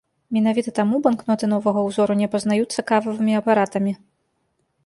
Менавіта таму банкноты новага ўзору не апазнаюцца кававымі апаратамі.